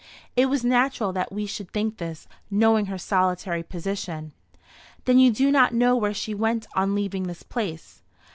It was natural that we should think this, knowing her solitary position." "Then you do not know where she went on leaving this place?"